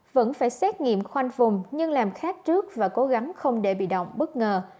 vẫn phải xét nghiệm khoanh vùng nhưng làm khác trước và cố gắng không để bị động bất ngờ